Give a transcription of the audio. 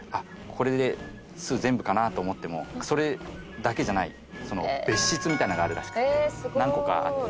これで巣全部かなと思ってもそれだけじゃない別室みたいなのがあるらしくて何個かあって。